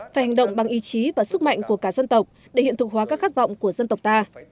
phải hành động bằng ý chí và sức mạnh của cả dân tộc để hiện thực hóa các khát vọng của dân tộc ta